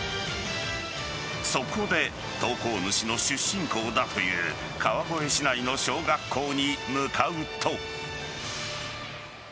そこで投稿主の出身校だという川越市内の小学校に向かうと。